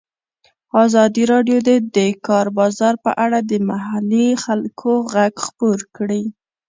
ازادي راډیو د د کار بازار په اړه د محلي خلکو غږ خپور کړی.